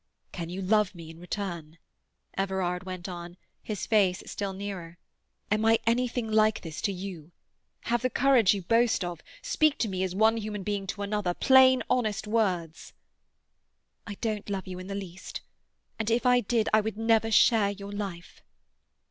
"Can you love me in return?" Everard went on, his face still nearer. "Am I anything like this to you? Have the courage you boast of. Speak to me as one human being to another, plain, honest words." "I don't love you in the least. And if I did I would never share your life."